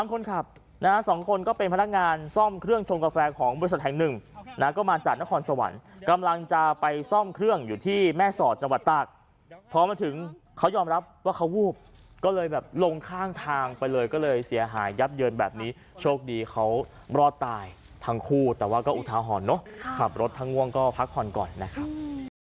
คนขับนะฮะสองคนก็เป็นพนักงานซ่อมเครื่องชงกาแฟของบริษัทแห่งหนึ่งนะก็มาจากนครสวรรค์กำลังจะไปซ่อมเครื่องอยู่ที่แม่สอดจังหวัดตากพอมาถึงเขายอมรับว่าเขาวูบก็เลยแบบลงข้างทางไปเลยก็เลยเสียหายยับเยินแบบนี้โชคดีเขารอดตายทั้งคู่แต่ว่าก็อุทาหรณ์เนอะขับรถทั้งง่วงก็พักผ่อนก่อนนะครับ